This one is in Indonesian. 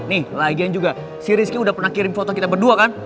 nih lagian juga si rizky udah pernah kirim foto kita berdua kan